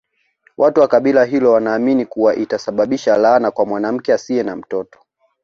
Watu wa kabila hilo wanaamini kuwa itasababisha laana kwa mwanamke asiye na mtoto